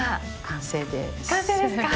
完成ですか。